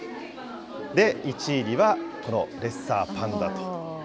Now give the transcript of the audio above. で、１位にはこのレッサーパンダと。